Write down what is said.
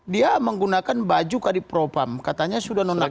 dia menggunakan baju kadipropam katanya sudah nonaktif